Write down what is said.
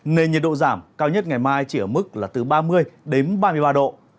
nên nhiệt độ giảm cao nhất ngày mai chỉ ở mức là từ ba mươi đến ba mươi ba độ